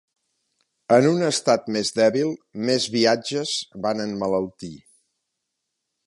En un estat més dèbil, més viatges van emmalaltir.